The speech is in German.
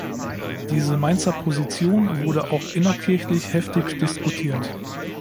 Diese „Mainzer Position“ wurde auch innerkirchlich heftig diskutiert.